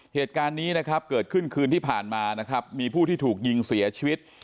เหตุการณ์นี้นะครับเกิดขึ้นคืนที่ผ่านมานะครับมีผู้ที่ถูกยิงเสียชีวิต